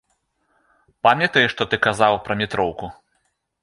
Памятаеш, што ты казаў пра метроўку?